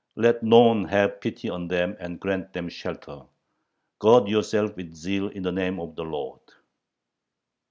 Let none have pity on them and grant them shelter!... Gird yourselves with zeal in the name of the Lord!